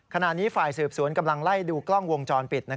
ขณะนี้ฝ่ายสืบสวนกำลังไล่ดูกล้องวงจรปิด